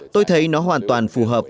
tôi thấy nó hoàn toàn phù hợp